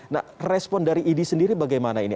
nah respon dari idi sendiri bagaimana ini